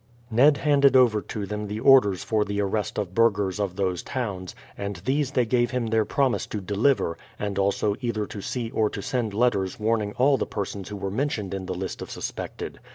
Ned handed over to them the orders for the arrest of burghers of those towns, and these they gave him their promise to deliver, and also either to see or to send letters warning all the persons who were mentioned in the list of suspected.